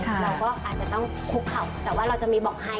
เราก็อาจจะต้องคุกเขาแต่ว่าเราจะมีบอกให้